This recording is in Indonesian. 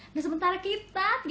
dan sementara kita